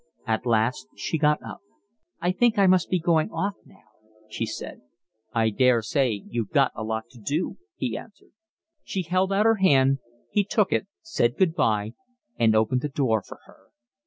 At last she got up. "I think I must be going off now," she said. "I daresay you've got a lot to do," he answered. She held out her hand, he took it, said good bye, and opened the door for her.